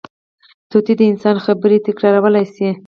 طوطي د انسان خبرې تکرارولی شي